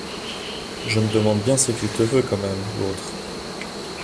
Je me demande bien ce qu’il te veut, quand même, l’autre.